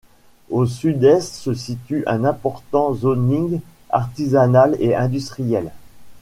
Au sud-est se situe un important zoning artisanal et industriel.